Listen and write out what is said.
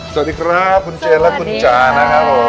สวัสดีครับคุณเจนและคุณจ๋านะครับผม